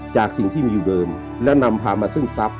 จากสิ่งที่มีอยู่เดินและนำพามาซึ่งทรัพย